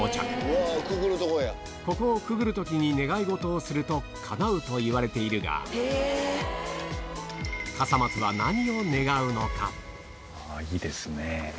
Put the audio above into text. ここをくぐる時に願い事をするとかなうといわれているがいいですねぇ！